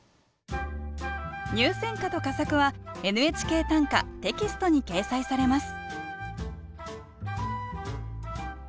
入選歌と佳作は「ＮＨＫ短歌」テキストに掲載されます